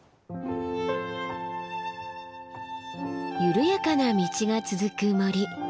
緩やかな道が続く森。